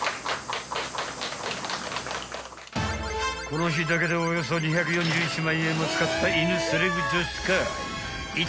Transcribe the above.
［この日だけでおよそ２４１万円も使った犬セレブ女子会］